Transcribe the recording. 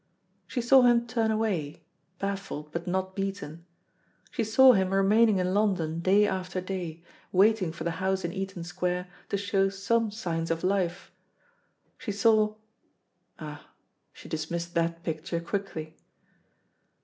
She saw him turn away, baffled but not beaten; she saw him remaining in London day after day, waiting for the house in Eaton Square to show some signs of life. She saw ah, she dismissed that picture quickly.